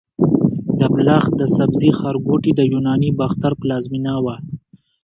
د بلخ د سبزې ښارګوټي د یوناني باختر پلازمېنه وه